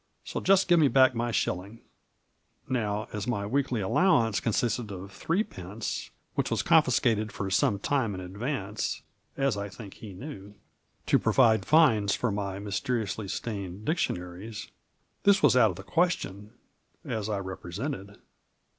So just give me back my shilling! " 6 Digitized by VIjOOQIC 98 MARJORY. Now, as my weekly aflowance consisted of three ptence, which was confiscated for some time in advance (as I think he knew), to provide fines for my mysteri ously stained dictionaries, this was out of the question, as I represented.